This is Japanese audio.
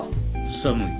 寒い。